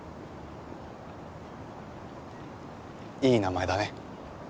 いい名前だね。